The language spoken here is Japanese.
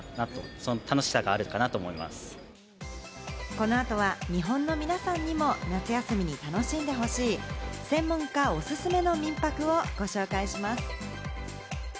この後は日本の皆さんにも夏休みに楽しんでほしい、専門家おすすめの民泊をご紹介します。